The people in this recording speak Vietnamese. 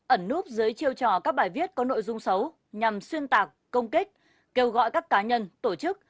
ẩn núp dưới chiêu trò các bài viết có nội dung xấu nhằm xuyên tạc công kích kêu gọi các cá nhân tổ chức